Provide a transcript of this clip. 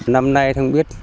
năm nay không biết